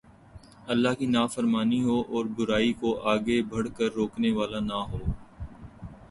اللہ کی نافرمانی ہو اور برائی کوآگے بڑھ کر روکنے والا نہ ہو